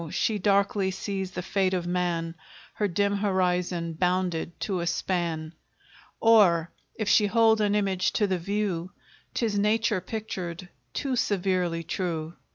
she darkly sees the fate of man Her dim horizon bounded to a span; Or if she hold an image to the view, 'Tis Nature pictured too severely true.